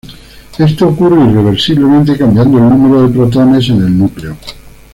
Esto ocurre irreversiblemente, cambiando el número de protones en el núcleo.